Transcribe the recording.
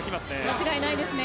間違いないですね。